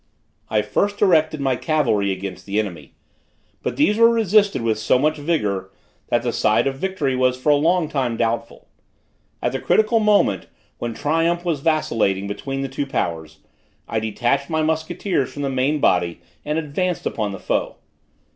I first directed my cavalry against the enemy, but these were resisted with so much vigor, that the side of victory was for a long time doubtful: at the critical moment, when triumph was vacillating between the two powers, I detached my musketeers from the main body and advanced upon the foe.